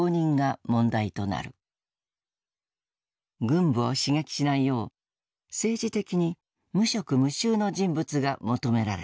軍部を刺激しないよう政治的に「無色無臭」の人物が求められた。